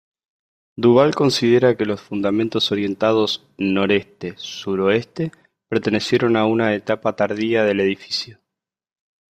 Duval considera que los fundamentos orientados noreste-suroeste pertenecieron a una etapa tardía del edificio.